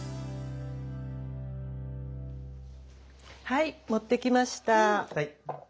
はい持ってきました。